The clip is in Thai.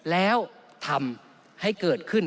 แล้วทำให้เกิดขึ้น